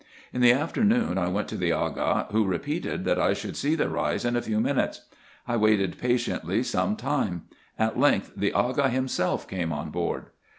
In the afternoon I went to the Aga, who repeated, that I should see the Eeis in a few minutes. I waited patiently some time ; at length the Aga himself came on board.